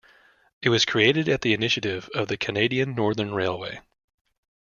It was created at the initiative of the Canadian Northern Railway.